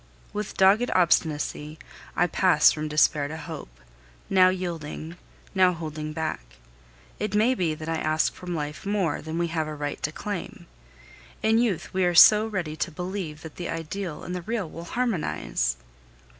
With dogged obstinacy, I pass from despair to hope, now yielding, now holding back. It may be that I ask from life more than we have a right to claim. In youth we are so ready to believe that the ideal and the real will harmonize!